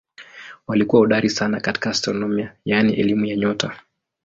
Walikuwa hodari sana katika astronomia yaani elimu ya nyota.